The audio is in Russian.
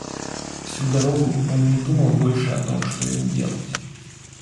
Всю дорогу он не думал больше о том, что ему делать.